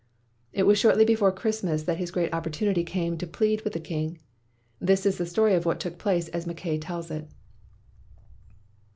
It was shortly before Christmas that his great opportunity came to plead with the king. This is the story of what took place as Mackay tells it.